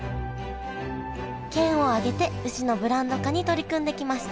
県を挙げて牛のブランド化に取り組んできました